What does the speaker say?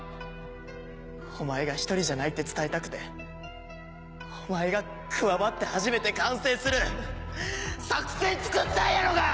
お前が一人じゃないって伝えたくてお前が加わって初めて完成する作戦作ったんやろうが！